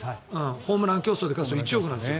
ホームラン競争で勝つと１億なんですよ。